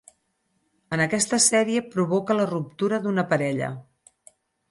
En aquesta sèrie provoca la ruptura d'una parella.